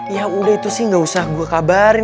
ya udah itu sih gak usah gue kabarin